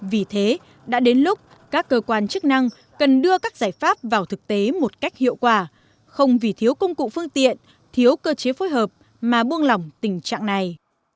vì thế đã đến lúc các cơ quan chức năng cần đưa các giải pháp vào thực tế một cách hiệu quả không vì thiếu công cụ phương tiện thiếu cơ chế phối hợp mà buông lỏng tình trạng này